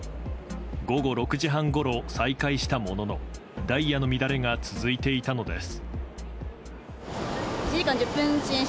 午後６時半ごろ再開したもののダイヤの乱れが続いていたのです。